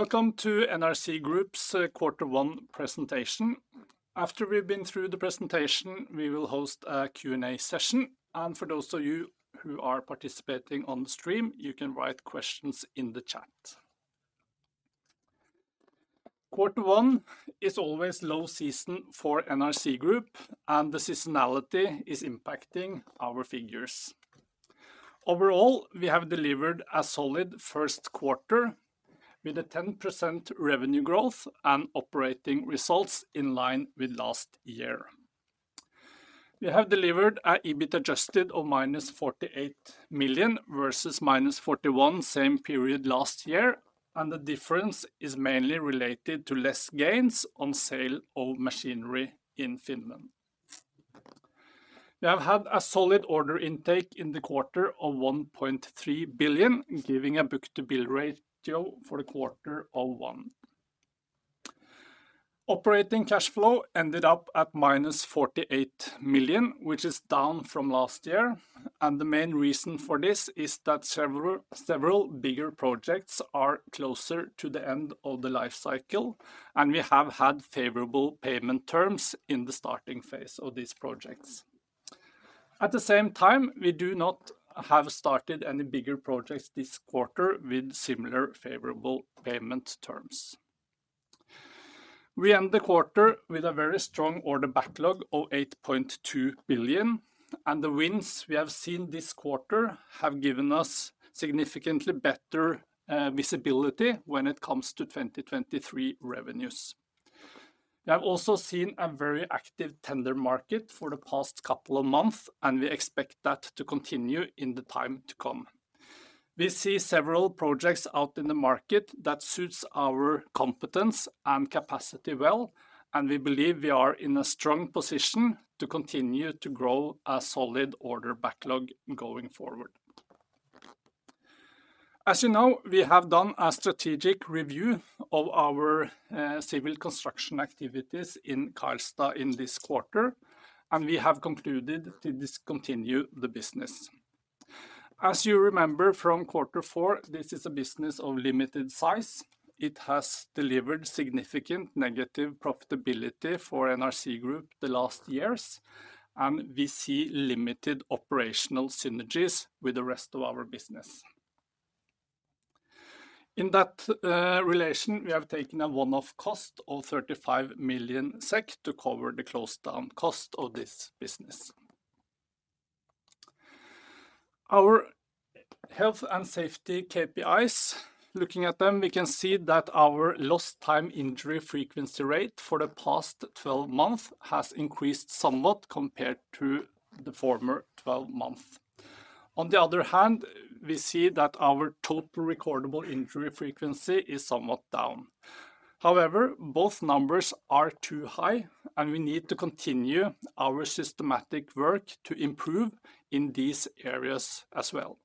Welcome to NRC Group's quarter one presentation. After we've been through the presentation, we will host a Q&A session. For those of you who are participating on the stream, you can write questions in the chat. Quarter one is always low season for NRC Group, and the seasonality is impacting our figures. Overall, we have delivered a solid first quarter with a 10% revenue growth and operating results in line with last year. We have delivered a EBIT adj. of -48 million versus -41 million same period last year, and the difference is mainly related to less gains on sale of machinery in Finland. We have had a solid order intake in the quarter of 1.3 billion, giving a book-to-bill ratio for the quarter of one. Operating cash flow ended up at -48 million, which is down from last year. The main reason for this is that several bigger projects are closer to the end of the life cycle, and we have had favorable payment terms in the starting phase of these projects. At the same time, we do not have started any bigger projects this quarter with similar favorable payment terms. We end the quarter with a very strong order backlog of 8.2 billion, and the wins we have seen this quarter have given us significantly better visibility when it comes to 2023 revenues. We have also seen a very active tender market for the past couple of months, and we expect that to continue in the time to come. We see several projects out in the market that suits our competence and capacity well, and we believe we are in a strong position to continue to grow a solid order backlog going forward. As you know, we have done a strategic review of our civil construction activities in Karlstad in this quarter, and we have concluded to discontinue the business. As you remember from quarter four, this is a business of limited size. It has delivered significant negative profitability for NRC Group the last years, and we see limited operational synergies with the rest of our business. In that relation, we have taken a one-off cost of 35 million SEK to cover the close down cost of this business. Our health and safety KPIs. Looking at them, we can see that our lost time injury frequency rate for the past 12 months has increased somewhat compared to the former 12 months. On the other hand, we see that our total recordable injury frequency is somewhat down. However, both numbers are too high, and we need to continue our systematic work to improve in these areas as well.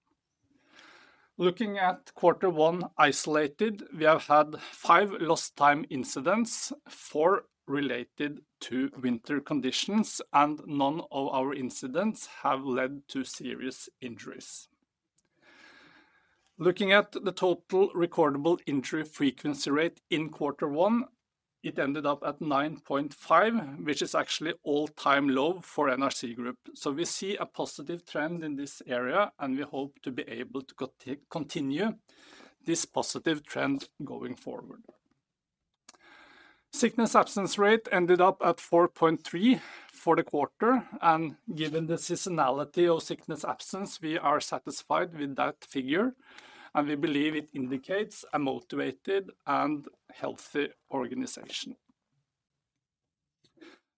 Looking at Q1 isolated, we have had five lost time incidents, four related to winter conditions, and none of our incidents have led to serious injuries. Looking at the total recordable injury frequency rate in Q1, it ended up at 9.5, which is actually all-time low for NRC Group. We see a positive trend in this area, and we hope to be able to continue this positive trend going forward. Sickness absence rate ended up at 4.3 for the quarter, and given the seasonality of sickness absence, we are satisfied with that figure, and we believe it indicates a motivated and healthy organization.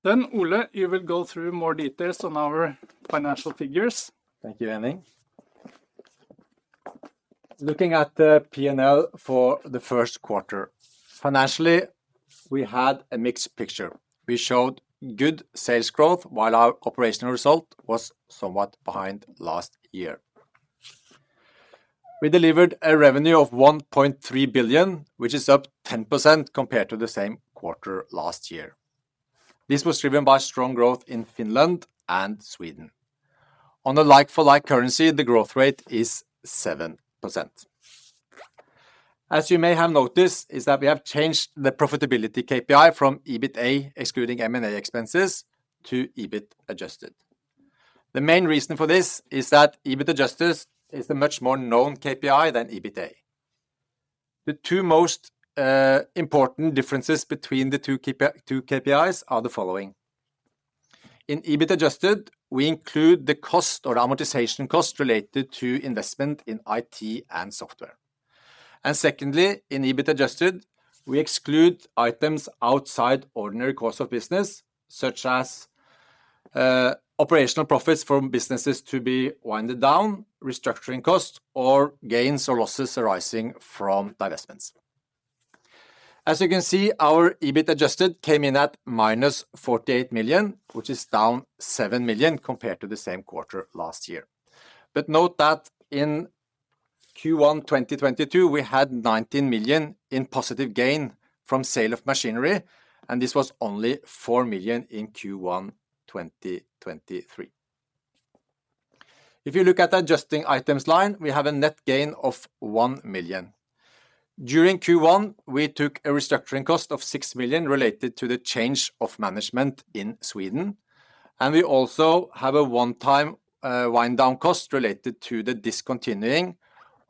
Ole, you will go through more details on our financial figures. Thank you, Henning. Looking at the P&L for the first quarter. Financially, we had a mixed picture. We showed good sales growth, while our operational result was somewhat behind last year. We delivered a revenue of 1.3 billion, which is up 10% compared to the same quarter last year. This was driven by strong growth in Finland and Sweden. On a like-for-like currency, the growth rate is 7%. You may have noticed, is that we have changed the profitability KPI from EBITA, excluding M&A expenses, to EBIT adj.. The main reason for this is that EBIT adj. is a much more known KPI than EBITA. The two most important differences between the two KPIs are the following. In EBIT adj., we include the cost or amortization cost related to investment in IT and software. Secondly, in EBIT adj., we exclude items outside ordinary course of business, such as operational profits from businesses to be winded down, restructuring costs, or gains or losses arising from divestments. As you can see, our EBIT adj. came in at -48 million, which is down 7 million compared to the same quarter last year. Note that in Q1 2022, we had 19 million in positive gain from sale of machinery, and this was only 4 million in Q1 2023. If you look at the adjusting items line, we have a net gain of 1 million. During Q1, we took a restructuring cost of 6 million related to the change of management in Sweden, and we also have a one-time wind-down cost related to the discontinuing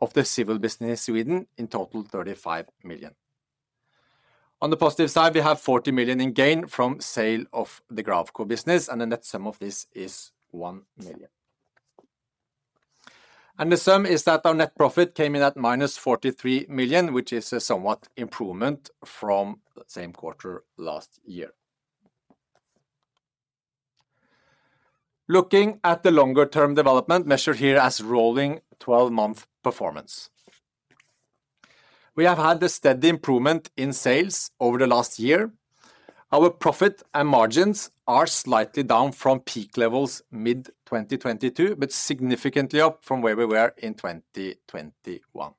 of the civil business Sweden in total 35 million. On the positive side, we have 40 million in gain from sale of the Gravco business, and the net sum of this is 1 million. The sum is that our net profit came in at minus 43 million, which is a somewhat improvement from the same quarter last year. Looking at the longer-term development measured here as rolling 12-month performance. We have had a steady improvement in sales over the last year. Our profit and margins are slightly down from peak levels mid-2022, but significantly up from where we were in 2021.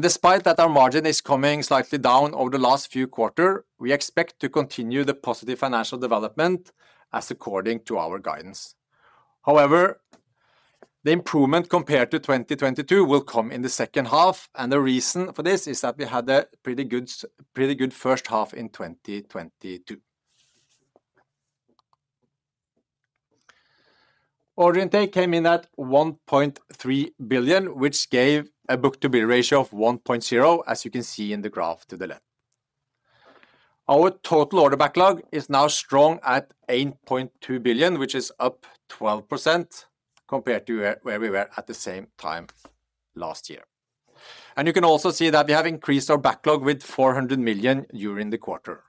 Despite that our margin is coming slightly down over the last few quarter, we expect to continue the positive financial development as according to our guidance. However, the improvement compared to 2022 will come in the second half, and the reason for this is that we had a pretty good first half in 2022. Order intake came in at 1.3 billion, which gave a book-to-bill ratio of 1.0, as you can see in the graph to the left. Our total order backlog is now strong at 8.2 billion, which is up 12% compared to where we were at the same time last year. You can also see that we have increased our backlog with 400 million during the quarter.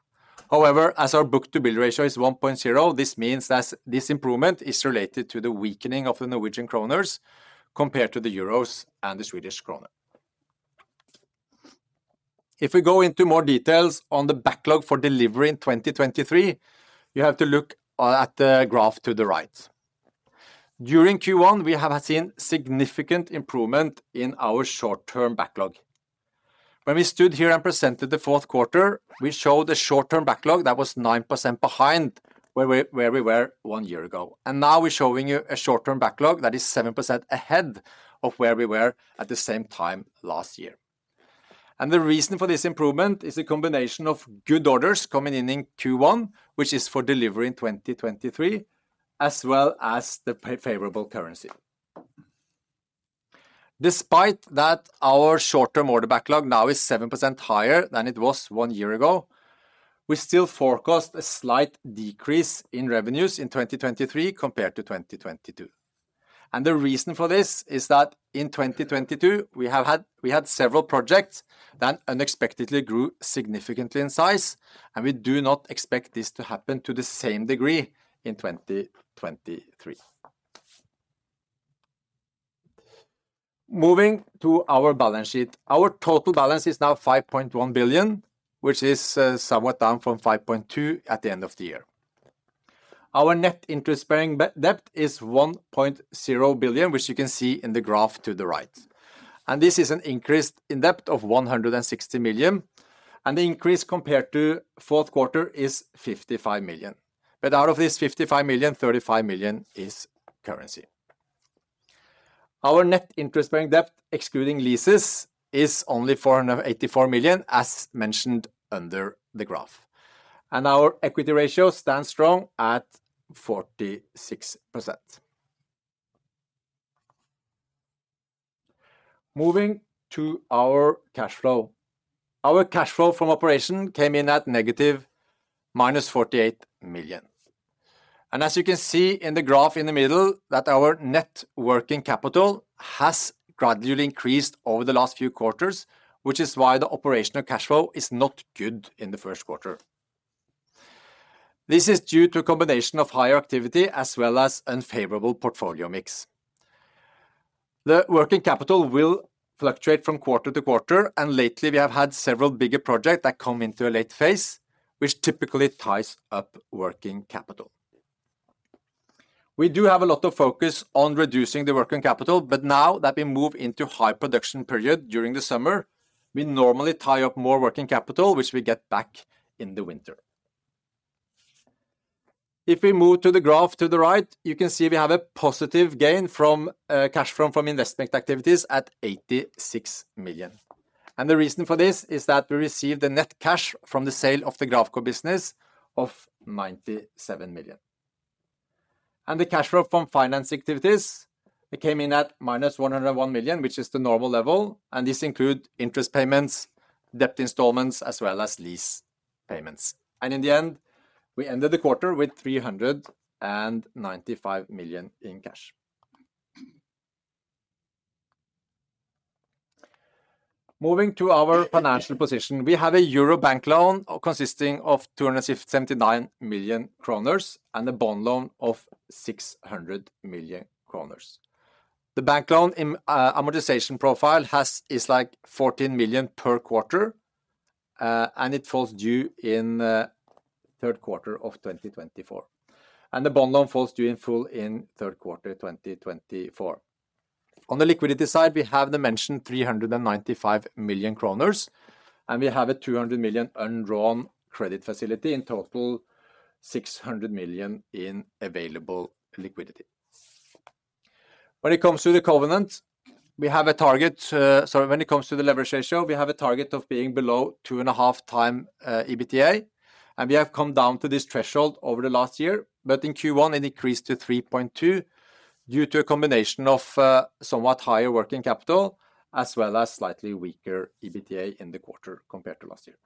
However, as our book-to-bill ratio is 1.0, this means that this improvement is related to the weakening of the Norwegian kroners compared to the euros and the Swedish krona. If we go into more details on the backlog for delivery in 2023, you have to look at the graph to the right. During Q1, we have seen significant improvement in our short-term backlog. When we stood here and presented the fourth quarter, we showed a short-term backlog that was 9% behind where we were one year ago. Now we're showing you a short-term backlog that is 7% ahead of where we were at the same time last year. The reason for this improvement is a combination of good orders coming in in Q1, which is for delivery in 2023, as well as the favorable currency. Despite that our short-term order backlog now is 7% higher than it was one year ago, we still forecast a slight decrease in revenues in 2023 compared to 2022. The reason for this is that in 2022, we had several projects that unexpectedly grew significantly in size. We do not expect this to happen to the same degree in 2023. Moving to our balance sheet. Our total balance is now 5.1 billion, which is somewhat down from 5.2 billion at the end of the year. Our net interest-bearing debt is 1.0 billion, which you can see in the graph to the right. This is an increase in debt of 160 million. The increase compared to fourth quarter is 55 million. Out of this 55 million, 35 million is currency. Our net interest-bearing debt, excluding leases, is only 484 million, as mentioned under the graph. Our equity ratio stands strong at 46%. Moving to our cash flow. Our cash flow from operation came in at negative -48 million. As you can see in the graph in the middle, that our net working capital has gradually increased over the last few quarters, which is why the operational cash flow is not good in the first quarter. This is due to a combination of higher activity as well as unfavorable portfolio mix. The working capital will fluctuate from quarter to quarter. Lately we have had several bigger project that come into a late phase, which typically ties up working capital. We do have a lot of focus on reducing the working capital. Now that we move into high production period during the summer, we normally tie up more working capital, which we get back in the winter. If we move to the graph to the right, you can see we have a positive gain from cash from investment activities at 86 million. The reason for this is that we received the net cash from the sale of the Gravco business of 97 million. The cash flow from finance activities, it came in at minus 101 million, which is the normal level, and this include interest payments, debt installments, as well as lease payments. In the end, we ended the quarter with 395 million in cash. Moving to our financial position, we have a EUR bank loan consisting of 279 million kroner and a bond loan of 600 million kroner. The bank loan amortization profile is like 14 million per quarter, and it falls due in third quarter of 2024. The bond loan falls due in full in third quarter 2024. On the liquidity side, we have the mentioned 395 million kroner, and we have a 200 million undrawn credit facility, in total 600 million in available liquidity. When it comes to the covenant, we have a target. Sorry. When it comes to the leverage ratio, we have a target of being below 2.5x EBITDA, and we have come down to this threshold over the last year. In Q1, it increased to 3.2x due to a combination of somewhat higher working capital, as well as slightly weaker EBITDA in the quarter compared to last year.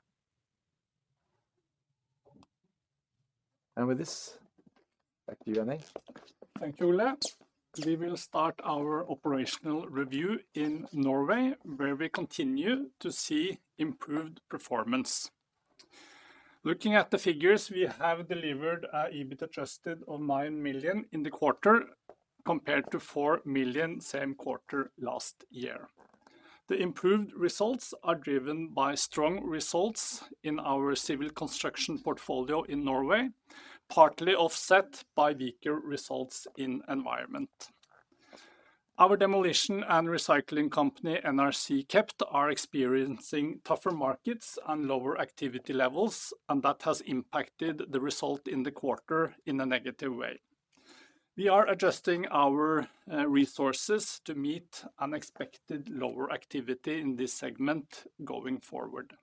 With this, back to you, Henning. Thank you, Ole. We will start our operational review in Norway, where we continue to see improved performance. Looking at the figures, we have delivered our EBIT adj. of 9 million in the quarter compared to 4 million same quarter last year. The improved results are driven by strong results in our civil construction portfolio in Norway, partly offset by weaker results in environment. Our demolition and recycling company, NRC Kept, are experiencing tougher markets and lower activity levels, and that has impacted the result in the quarter in a negative way. We are adjusting our resources to meet unexpected lower activity in this segment going forward.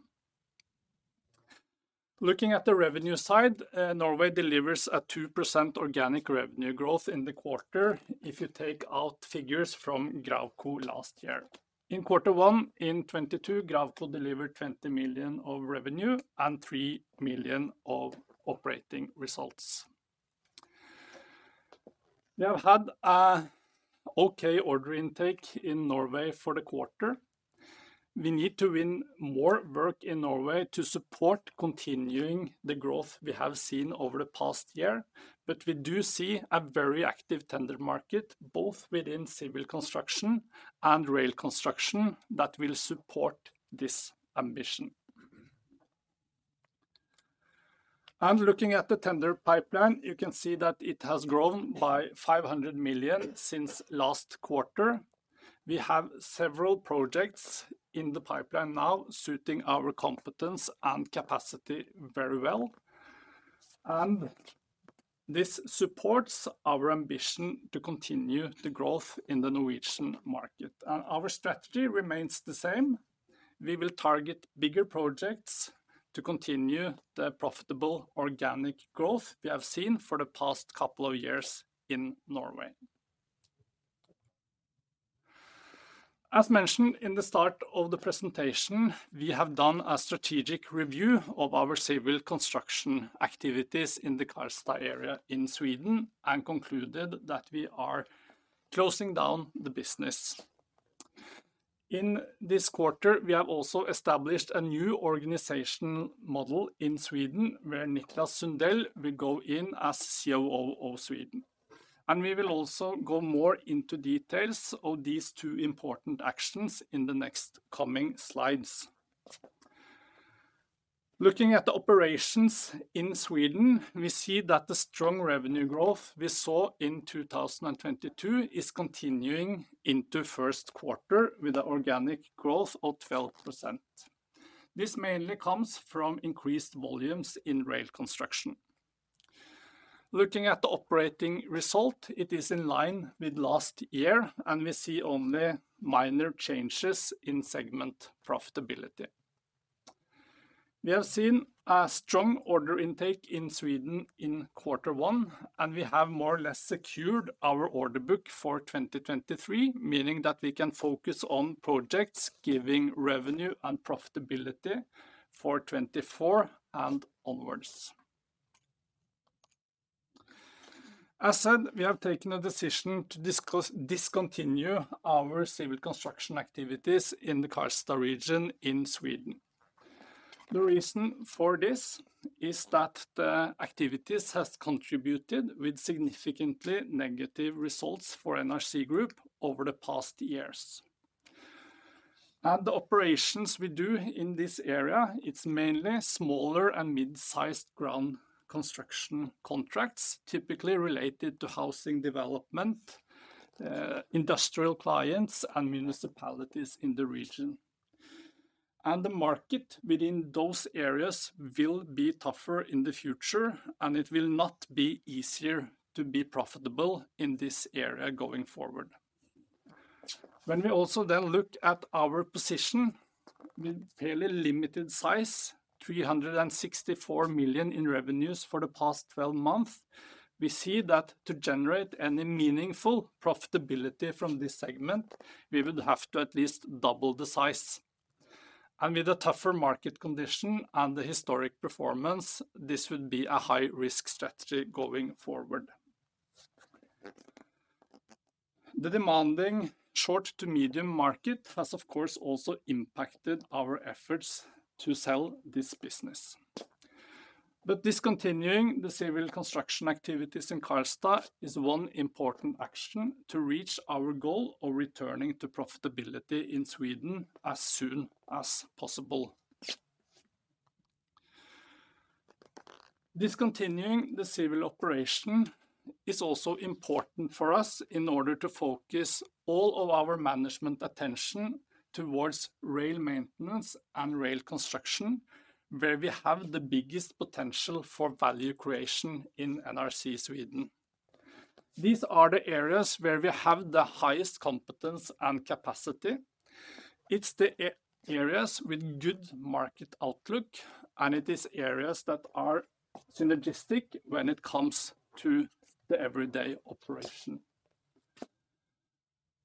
Looking at the revenue side, Norway delivers a 2% organic revenue growth in the quarter if you take out figures from Gravco last year. In quarter one 2022, Gravco delivered 20 million of revenue and 3 million of operating results. We have had a okay order intake in Norway for the quarter. We need to win more work in Norway to support continuing the growth we have seen over the past year. We do see a very active tender market, both within civil construction and rail construction, that will support this ambition. Looking at the tender pipeline, you can see that it has grown by 500 million since last quarter. We have several projects in the pipeline now suiting our competence and capacity very well. This supports our ambition to continue the growth in the Norwegian market. Our strategy remains the same. We will target bigger projects to continue the profitable organic growth we have seen for the past couple of years in Norway. As mentioned in the start of the presentation, we have done a strategic review of our civil construction activities in the Karlstad area in Sweden and concluded that we are closing down the business. In this quarter, we have also established a new organizational model in Sweden, where Niklas Sundell will go in as COO of Sweden. We will also go more into details of these two important actions in the next coming slides. Looking at the operations in Sweden, we see that the strong revenue growth we saw in 2022 is continuing into fitst quarter with an organic growth of 12%. This mainly comes from increased volumes in rail construction. Looking at the operating result, it is in line with last year, and we see only minor changes in segment profitability. We have seen a strong order intake in Sweden in quarter one. We have more or less secured our order book for 2023, meaning that we can focus on projects giving revenue and profitability for 2024 and onwards. As said, we have taken a decision to discontinue our civil construction activities in the Karlstad region in Sweden. The reason for this is that the activities has contributed with significantly negative results for NRC Group over the past years. The operations we do in this area, it's mainly smaller and mid-sized ground construction contracts, typically related to housing development, industrial clients and municipalities in the region. The market within those areas will be tougher in the future, it will not be easier to be profitable in this area going forward. When we also look at our position with fairly limited size, 364 million in revenues for the past 12 months, we see that to generate any meaningful profitability from this segment, we would have to at least double the size. With the tougher market condition and the historic performance, this would be a high-risk strategy going forward. The demanding short-to-medium market has, of course, also impacted our efforts to sell this business. Discontinuing the civil construction activities in Karlstad is one important action to reach our goal of returning to profitability in Sweden as soon as possible. Discontinuing the civil operation is also important for us in order to focus all of our management attention towards rail maintenance and rail construction, where we have the biggest potential for value creation in NRC Sweden. These are the areas where we have the highest competence and capacity. It's the areas with good market outlook, and it is areas that are synergistic when it comes to the everyday operation.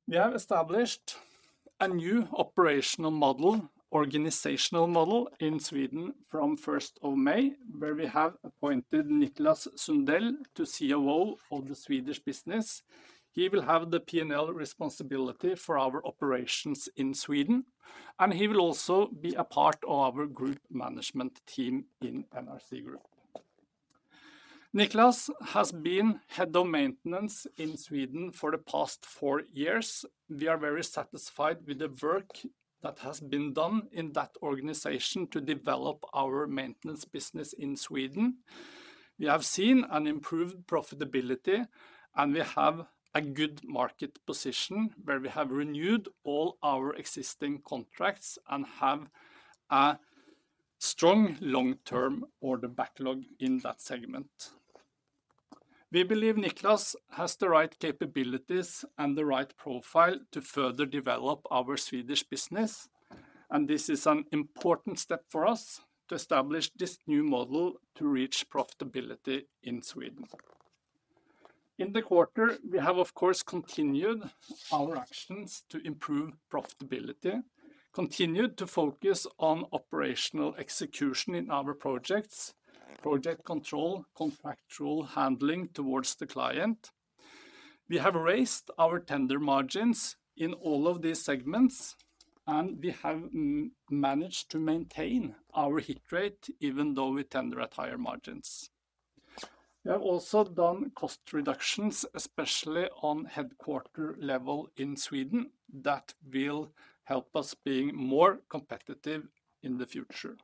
We have established a new operational model, organizational model in Sweden from 1st of May, where we have appointed Niklas Sundell to CEO role of the Swedish business. He will have the P&L responsibility for our operations in Sweden, and he will also be a part of our group management team in NRC Group. Niklas has been head of maintenance in Sweden for the past four years. We are very satisfied with the work that has been done in that organization to develop our maintenance business in Sweden. We have seen an improved profitability, and we have a good market position where we have renewed all our existing contracts and have a strong long-term order backlog in that segment. We believe Niklas has the right capabilities and the right profile to further develop our Swedish business. This is an important step for us to establish this new model to reach profitability in Sweden. In the quarter, we have of course, continued our actions to improve profitability, continued to focus on operational execution in our projects, project control, contractual handling towards the client. We have raised our tender margins in all of these segments. We have managed to maintain our hit rate even though we tender at higher margins. We have also done cost reductions, especially on headquarter level in Sweden that will help us being more competitive in the future.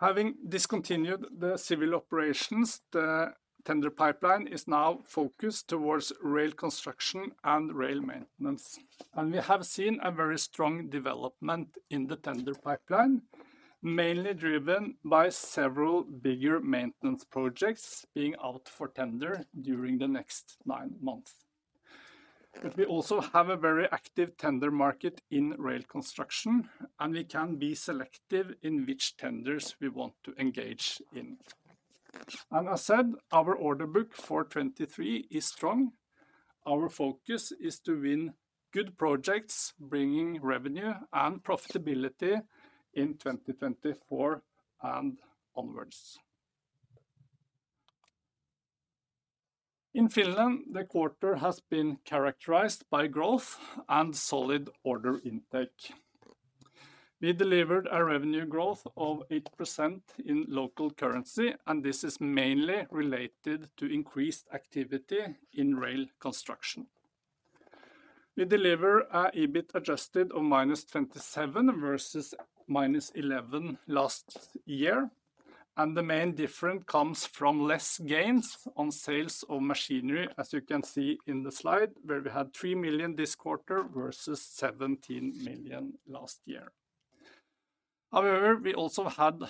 Having discontinued the civil operations, the tender pipeline is now focused towards rail construction and rail maintenance. We have seen a very strong development in the tender pipeline, mainly driven by several bigger maintenance projects being out for tender during the next nine months. We also have a very active tender market in rail construction. We can be selective in which tenders we want to engage in. I said, our order book for 2023 is strong. Our focus is to win good projects, bringing revenue and profitability in 2024 and onwards. In Finland, the quarter has been characterized by growth and solid order intake. We delivered a revenue growth of 8% in local currency. This is mainly related to increased activity in rail construction. We deliver a EBIT adj. of -27 versus -11 last year, and the main difference comes from less gains on sales of machinery, as you can see in the slide, where we had 3 million this quarter versus 17 million last year. However, we also had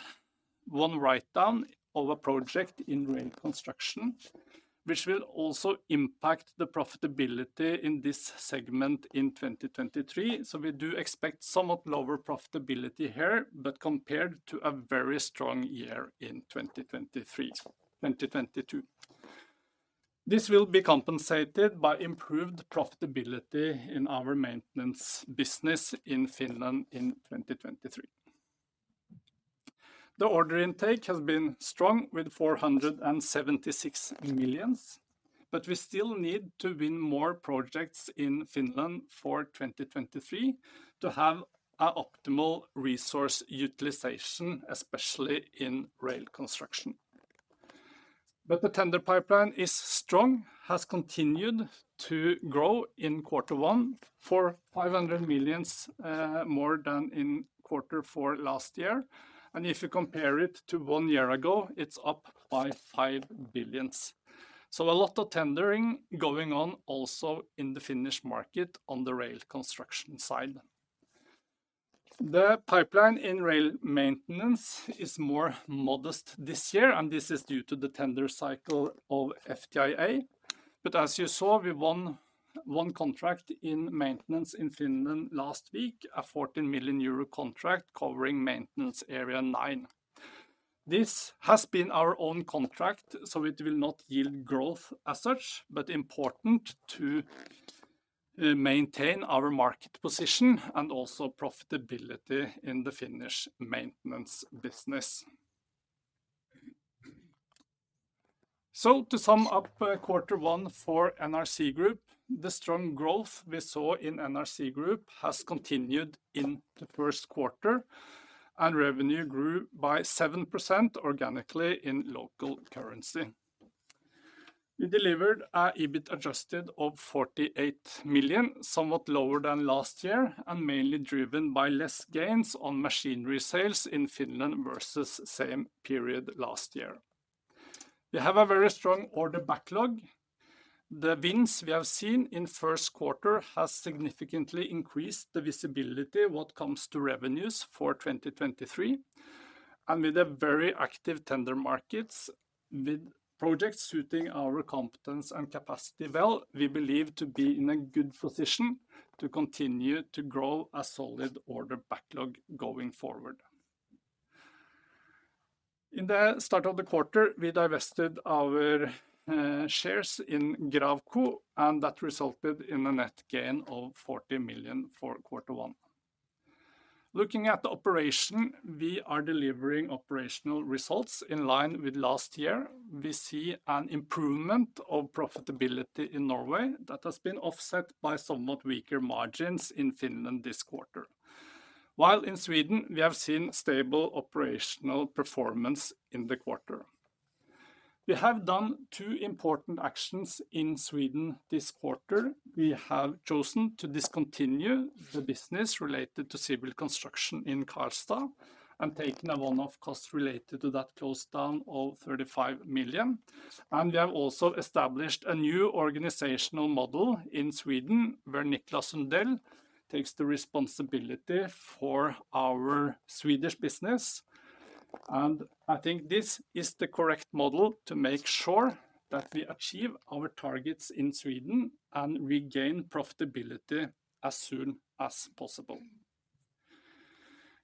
one write down of a project in rail construction, which will also impact the profitability in this segment in 2023. We do expect somewhat lower profitability here, but compared to a very strong year in 2022. This will be compensated by improved profitability in our maintenance business in Finland in 2023. The order intake has been strong with 476 million, but we still need to win more projects in Finland for 2023 to have optimal resource utilization, especially in rail construction. The tender pipeline is strong, has continued to grow in quarter one for 500 million more than in quarter four last year. If you compare it to one year ago, it's up by 5 billion. A lot of tendering going on also in the Finnish market on the rail construction side. The pipeline in rail maintenance is more modest this year, and this is due to the tender cycle of FTIA. As you saw, we won one contract in maintenance in Finland last week, a fourteen million euro contract covering maintenance area nine. This has been our own contract, so it will not yield growth as such, but important to maintain our market position and also profitability in the Finnish maintenance business. To sum up, Q1 for NRC Group, the strong growth we saw in NRC Group has continued in the first quarter, and revenue grew by 7% organically in local currency. We delivered a EBIT adj. of 48 million, somewhat lower than last year and mainly driven by less gains on machinery sales in Finland versus same period last year. We have a very strong order backlog. The wins we have seen in first quarter has significantly increased the visibility when it comes to revenues for 2023. With the very active tender markets with projects suiting our competence and capacity well, we believe to be in a good position to continue to grow a solid order backlog going forward. In the start of the quarter, we divested our shares in Gravco, and that resulted in a net gain of 40 million for quarter one. Looking at the operation, we are delivering operational results in line with last year. We see an improvement of profitability in Norway that has been offset by somewhat weaker margins in Finland this quarter, while in Sweden, we have seen stable operational performance in the quarter. We have done two important actions in Sweden this quarter. We have chosen to discontinue the business related to civil construction in Karlstad and taken a one-off cost related to that closedown of 35 million. We have also established a new organizational model in Sweden, where Niklas Sundell takes the responsibility for our Swedish business. I think this is the correct model to make sure that we achieve our targets in Sweden and regain profitability as soon as possible.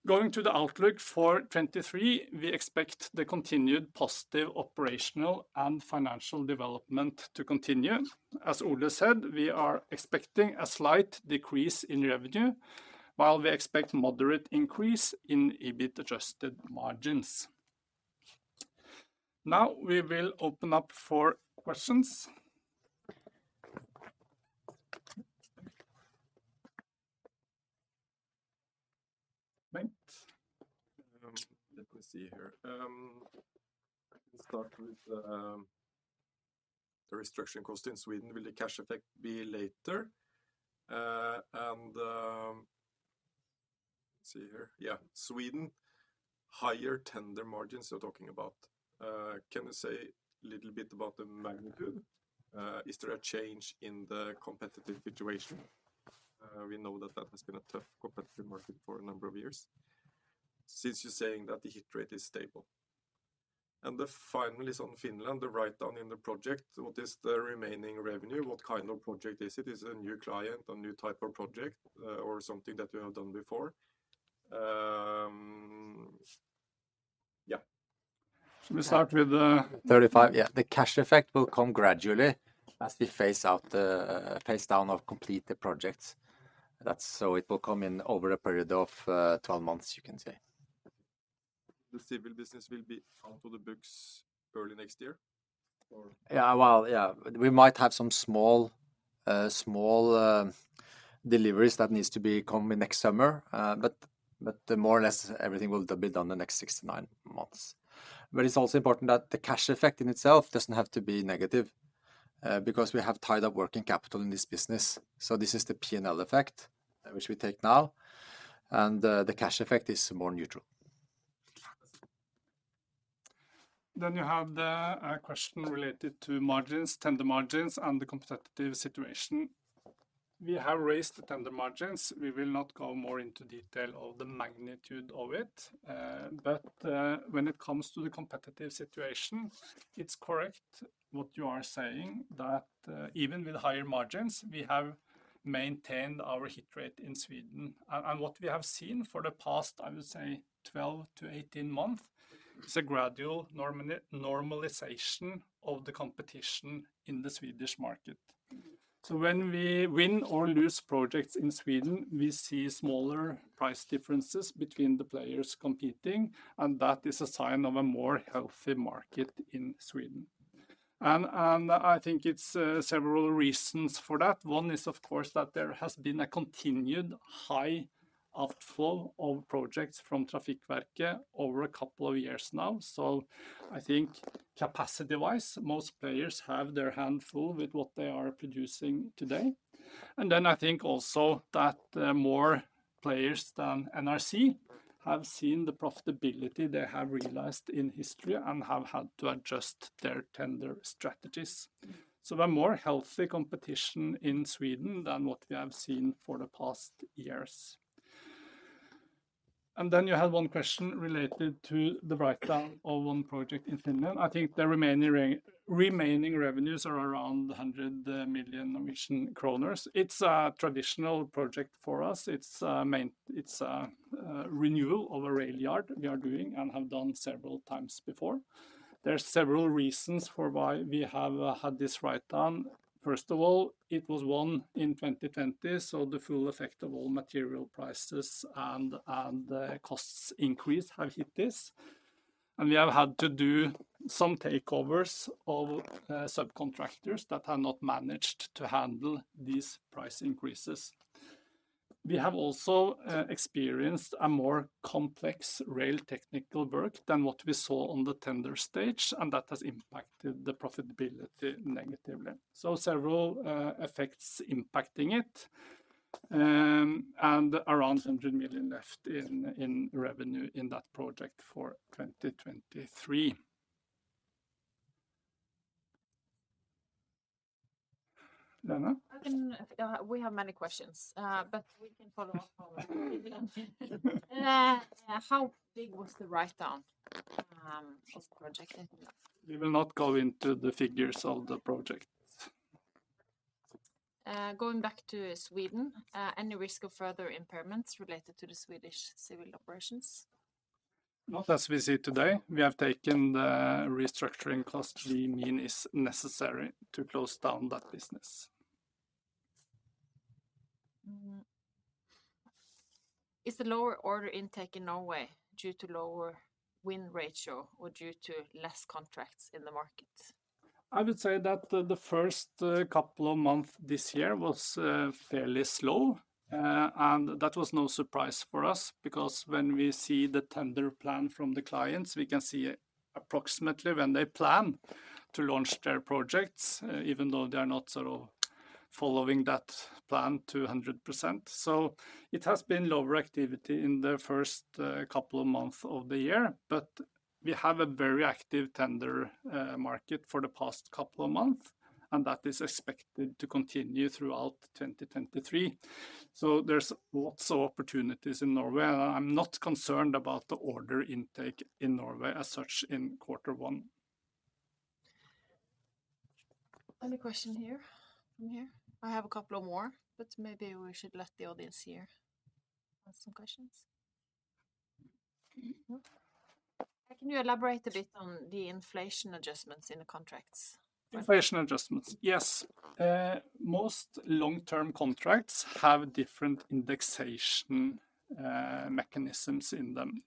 Going to the outlook for 2023, we expect the continued positive operational and financial development to continue. As Ole said, we are expecting a slight decrease in revenue, while we expect moderate increase in EBIT adj. margins. Now we will open up for questions. Right. Let me see here. Let's start with the restructuring cost in Sweden. Will the cash effect be later? Let's see here. Yeah. Sweden, higher tender margins you're talking about. Can you say a little bit about the magnitude? Is there a change in the competitive situation? We know that that has been a tough competitive market for a number of years since you're saying that the hit rate is stable. Finally is on Finland, the write-down in the project, what is the remaining revenue? What kind of project is it? Is it a new client, a new type of project, or something that you have done before? Yeah. Should we start with? 35. Yeah. The cash effect will come gradually as we phase out the phase down or complete the projects. It will come in over a period of 12 months, you can say. The civil business will be out of the books early next year or? Yeah. Well, yeah. We might have some small deliveries that needs to be come in next summer. More or less everything will be done the next six to nine months. It's also important that the cash effect in itself doesn't have to be negative, because we have tied up working capital in this business. This is the P&L effect, which we take now, and the cash effect is more neutral. You have the question related to margins, tender margins, and the competitive situation. We have raised the tender margins. We will not go more into detail of the magnitude of it. When it comes to the competitive situation, it's correct what you are saying that even with higher margins, we have maintained our hit rate in Sweden. What we have seen for the past, I would say 12-18 months, is a gradual normalization of the competition in the Swedish market. When we win or lose projects in Sweden, we see smaller price differences between the players competing, and that is a sign of a more healthy market in Sweden. I think it's several reasons for that. One is, of course, that there has been a continued high outflow of projects from Trafikverket over a couple of years now. I think capacity-wise, most players have their handful with what they are producing today. I think also that more players than NRC have seen the profitability they have realized in history and have had to adjust their tender strategies. The more healthy competition in Sweden than what we have seen for the past years. You have one question related to the write-down of one project in Finland. I think the remaining revenues are around 100 million Norwegian kroner. It's a traditional project for us. It's a renewal of a rail yard we are doing and have done several times before. There are several reasons for why we have had this write-down. First of all, it was won in 2020, so the full effect of all material prices and costs increase have hit this. We have had to do some takeovers of subcontractors that have not managed to handle these price increases. We have also experienced a more complex rail technical work than what we saw on the tender stage. That has impacted the profitability negatively. Several effects impacting it. Around 100 million left in revenue in that project for 2023. Lene? We have many questions, but we can follow up later. How big was the writedown of the project in Finland? We will not go into the figures of the project. Going back to Sweden, any risk of further impairments related to the Swedish civil operations? Not as we see today. We have taken the restructuring cost we mean is necessary to close down that business. Is the lower order intake in Norway due to lower win ratio or due to less contracts in the market? I would say that the first couple of month this year was fairly slow. That was no surprise for us because when we see the tender plan from the clients, we can see approximately when they plan to launch their projects, even though they are not sort of following that plan to 100%. It has been lower activity in the first couple of month of the year. We have a very active tender market for the past couple of month, and that is expected to continue throughout 2023. There's lots of opportunities in Norway, and I'm not concerned about the order intake in Norway as such in quarter one. Any question here, from here? I have a couple of more, maybe we should let the audience here ask some questions. No? Can you elaborate a bit on the inflation adjustments in the contracts? Inflation adjustments. Yes. Most long-term contracts have different indexation mechanisms in them.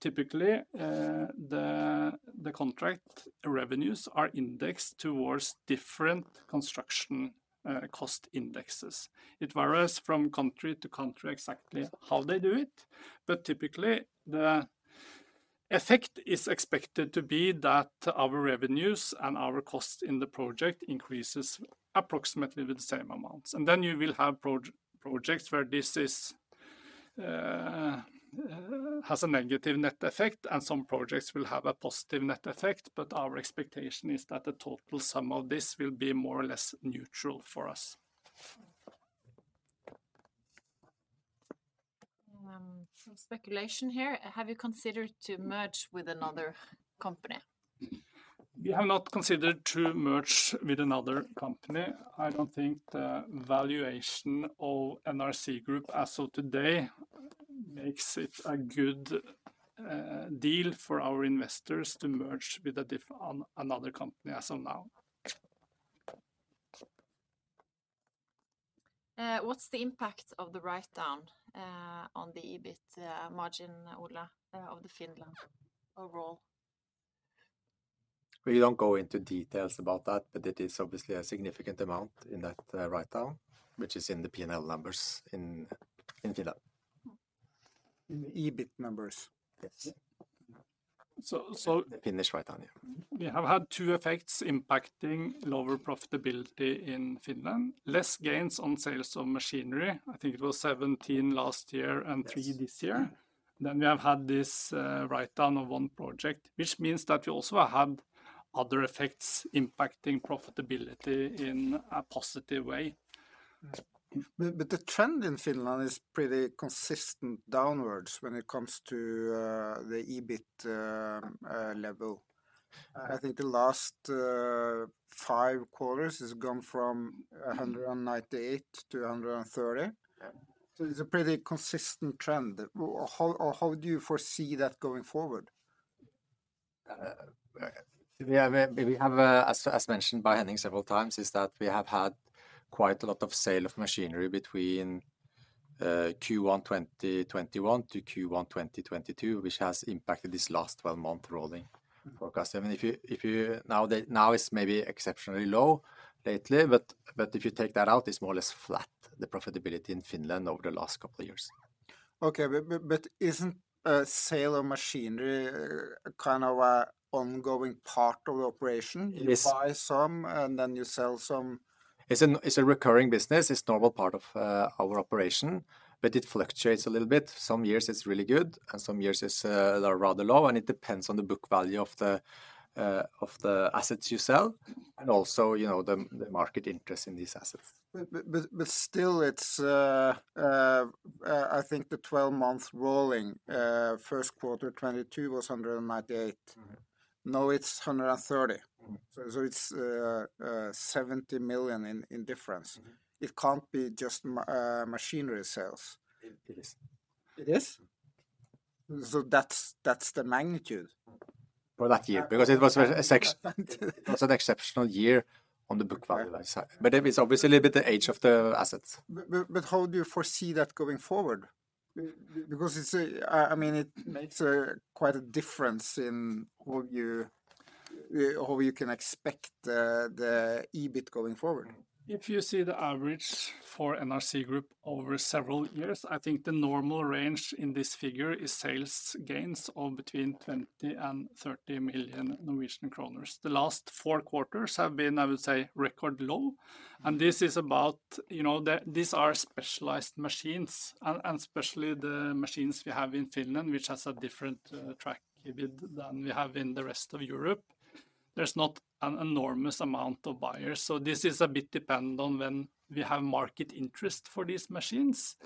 Typically, the contract revenues are indexed towards different construction cost indexes. It varies from country to country exactly how they do it, but typically the effect is expected to be that our revenues and our cost in the project increases approximately with the same amounts. Then you will have projects where this has a negative net effect, and some projects will have a positive net effect. Our expectation is that the total sum of this will be more or less neutral for us. Some speculation here. Have you considered to merge with another company? We have not considered to merge with another company. I don't think the valuation of NRC Group as of today makes it a good deal for our investors to merge with another company as of now. What's the impact of the writedown on the EBIT margin, Ole, of the Finland overall? We don't go into details about that, but it is obviously a significant amount in that writedown, which is in the P&L numbers in Finland. In the EBIT numbers. Yes. So, so- The Finnish writedown, yeah. We have had two effects impacting lower profitability in Finland. Less gains on sales of machinery. I think it was 17 million last year and 3 million this year. We have had this writedown of one project, which means that we also have had other effects impacting profitability in a positive way. The trend in Finland is pretty consistent downwards when it comes to the EBIT level. I think the last five quarters has gone from 198 million to 130 million. Yeah. It's a pretty consistent trend. How, or how do you foresee that going forward? We have a, as mentioned by Henning several times, is that we have had quite a lot of sale of machinery between Q1 2021 to Q1 2022, which has impacted this last 12-month rolling forecast. I mean, if you Now it's maybe exceptionally low lately, but if you take that out, it's more or less flat, the profitability in Finland over the last couple of years. Okay. Isn't a sale of machinery kind of a ongoing part of the operation? It's- You buy some and then you sell some. It's a recurring business. It's normal part of our operation, but it fluctuates a little bit. Some years it's really good, and some years are rather low, and it depends on the book value of the assets you sell, and also, you know, the market interest in these assets. Still, it's I think the 12-month rolling first quarter 2022 was 198 million. Mm-hmm. Now it's 130 million. Mm. It's 70 million in difference. Mm-hmm. It can't be just machinery sales. It is. It is? That's the magnitude? For that year. That- It was an exceptional year on the book value that side. It is obviously a little bit the age of the assets. How do you foresee that going forward? I mean, it makes quite a difference in how you can expect the EBIT going forward? If you see the average for NRC Group over several years, I think the normal range in this figure is sales gains of between 20 million and 30 million Norwegian kroner. The last four quarters have been, I would say, record low. This is about. You know, these are specialized machines and especially the machines we have in Finland, which has a different track than we have in the rest of Europe. There's not an enormous amount of buyers. This is a bit dependent on when we have market interest for these machines,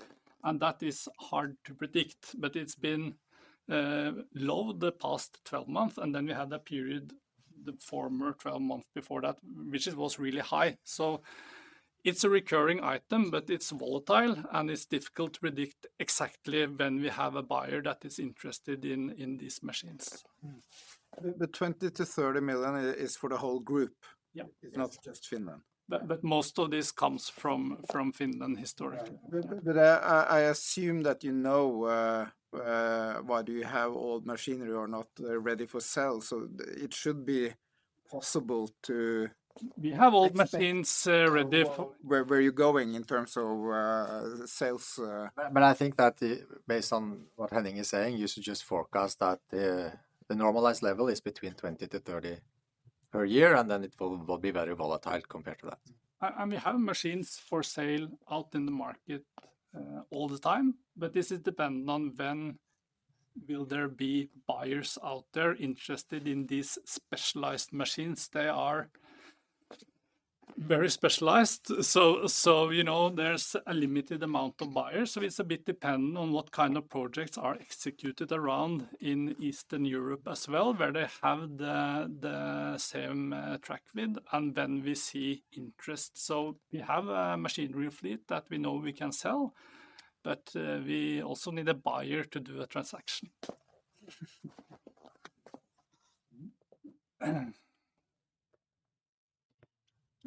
and that is hard to predict. It's been low the past 12 months. We had a period the former 12 months before that, which was really high. It's a recurring item, but it's volatile, and it's difficult to predict exactly when we have a buyer that is interested in these machines. Mm-hmm. The 20 million-30 million is for the whole group. Yeah. It's not just Finland. Most of this comes from Finland historically. Right. I assume that you know, why do you have old machinery or not ready for sale. It should be possible to- We have old machines, ready. Where you're going in terms of sales. I think that based on what Henning is saying, you should just forecast that the normalized level is between 20 million to 30 million per year, and then it will be very volatile compared to that. We have machines for sale out in the market, all the time, but this is dependent on when will there be buyers out there interested in these specialized machines. They are very specialized, you know, there's a limited amount of buyers. It's a bit dependent on what kind of projects are executed around in Eastern Europe as well, where they have the same track width and when we see interest. We have a machinery fleet that we know we can sell, but we also need a buyer to do a transaction.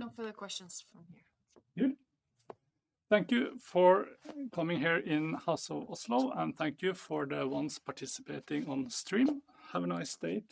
No further questions from here. Good. Thank you for coming here in House of Oslo, and thank you for the ones participating on the stream. Have a nice day to you.